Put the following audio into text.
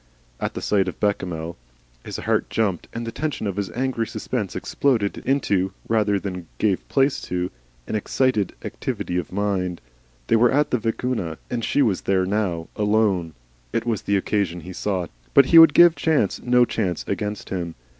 At the sight of Bechamel, his heart jumped, and the tension of his angry suspense exploded into, rather than gave place to, an excited activity of mind. They were at the Vicuna, and she was there now alone. It was the occasion he sought. But he would give Chance no chance against him.